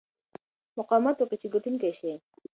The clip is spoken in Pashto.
مقاومت وکړه چې ګټونکی شې.